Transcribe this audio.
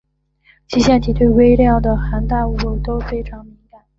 其腺体对微量的含氮物都非常敏感。